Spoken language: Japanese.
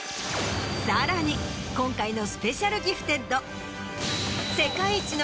さらに今回の。